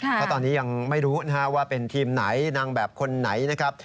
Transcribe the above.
เพราะตอนนี้ยังไม่รู้ว่าเป็นทีมไหนนางแบบคนไหนนะครับ